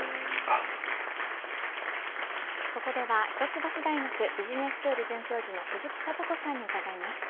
ここでは一橋大学ビジネススクール准教授の鈴木智子さんに伺います。